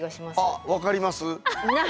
あっ分かります？